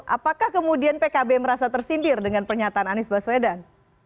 apakah kemudian pkb merasa tersindir dengan pernyataan anies baswedan